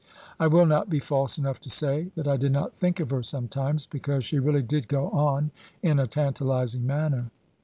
I will not be false enough to say that I did not think of her sometimes, because she really did go on in a tantalising manner.